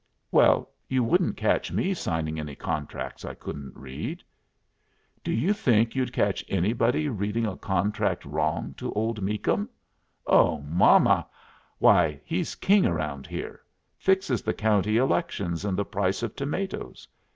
"Well, you wouldn't catch me signing any contracts I couldn't read." "Do you think you'd catch anybody reading a contract wrong to old Meakum? Oh, momma! Why, he's king round here. Fixes the county elections and the price of tomatoes.